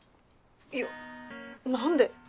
いや何で？